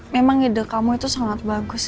memang ide kamu itu sangat bagus